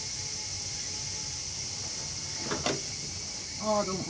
ああどうも。